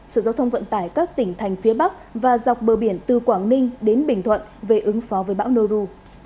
sở giao thông vận tải các tỉnh thành phía bắc và dọc bờ biển từ quảng ninh đến bình thuận về ứng phó với bão noru